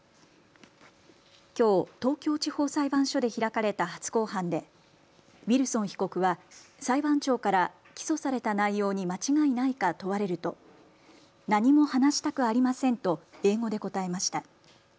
きょう東京地方裁判所で開かれた初公判でウィルソン被告は裁判長から起訴された内容に間違いないか問われると何も話したくありませんと英語で答えました。